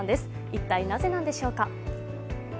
一体なぜなんでしょうか。